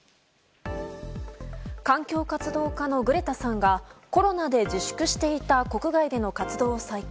環境活動家のグレタさんがコロナで自粛していた国外での活動を再開。